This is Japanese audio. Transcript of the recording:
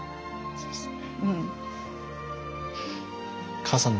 そうですね。